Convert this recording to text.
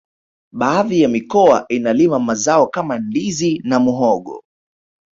baadhi ya mikoa inalima mazao kama ndizi na muhogo